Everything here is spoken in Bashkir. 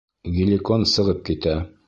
Геликон сығып китә.